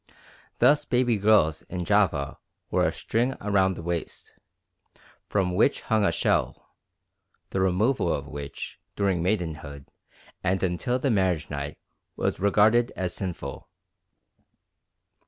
Thus baby girls in Java wore a string round the waist, from which hung a shell, the removal of which during maidenhood and until the marriage night was regarded as sinful.